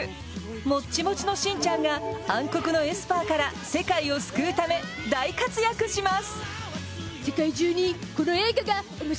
もっちもちのしんちゃんが暗黒のエスパーから世界を救うため大活躍します。